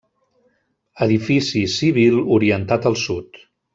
Edifici civil orientat al sud.